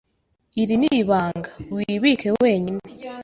Iri ni ibanga. Wibike wenyine.